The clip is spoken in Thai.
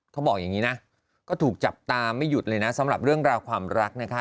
เขาบอกอย่างนี้นะก็ถูกจับตาไม่หยุดเลยนะสำหรับเรื่องราวความรักนะคะ